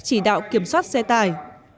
chỉ đạo kiểm soát xe tải